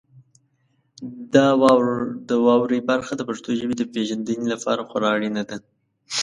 د واورئ برخه د پښتو ژبې د پیژندنې لپاره خورا اړینه ده.